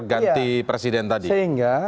ganti presiden tadi sehingga